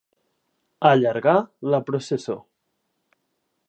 Allargar la processó.